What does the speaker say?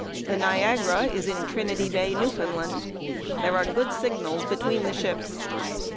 The Niagara is in Trinity Bay, Newfoundland. There are good signals between the ships.